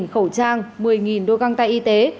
năm khẩu trang một mươi đôi găng tay y tế